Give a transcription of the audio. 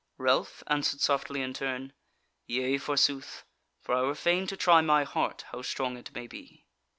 Ralph answered softly in turn: "Yea, forsooth: for I were fain to try my heart, how strong it may be."